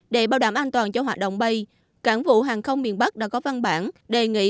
để bảo đảm an toàn cho hoạt động bay cảng vụ hàng không miền bắc đã có văn bản đề nghị